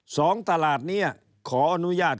สองตลาดนี้ขออนุญาต